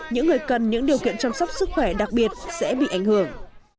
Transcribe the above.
những người cần những điều kiện chăm sóc sức khỏe đặc biệt sẽ bị ảnh hưởng